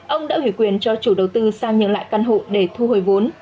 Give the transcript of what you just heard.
ông đã hủy quyền cho chủ đầu tư xăng nhượng lại căn hộ để thu hồi vốn